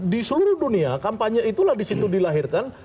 di seluruh dunia kampanye itulah di situ dilahirkan